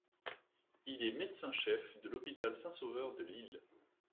Il est médecin-chef de l’hôpital Saint-Sauveur de Lille.